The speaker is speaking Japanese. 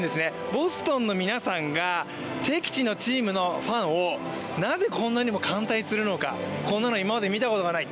ボストンの皆さんが敵地のチームのファンをなぜこんなにも歓待するのか、こんなの今まで見たことがない。